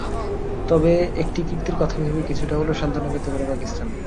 তবে একটি কীর্তির কথা ভেবে কিছুটা হলেও সান্ত্বনা পেতে পারে পাকিস্তান।